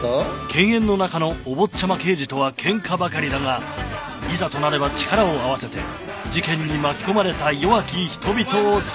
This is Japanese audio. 犬猿の仲のお坊ちゃま刑事とは喧嘩ばかりだがいざとなれば力を合わせて事件に巻き込まれた弱き人々を救う